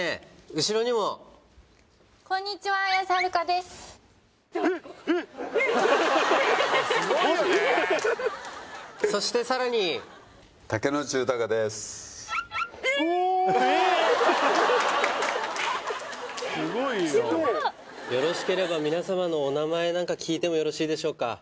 後ろにもよろしければみなさまのお名前なんか聞いてもよろしいでしょうか？